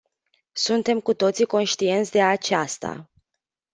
Suntem cu toții conștienți de aceasta.